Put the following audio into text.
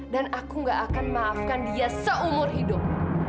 dan aku gak akan maafkan dia seumur hidup